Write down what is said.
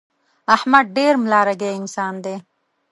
احمد ډېر ملا رګی انسان دی.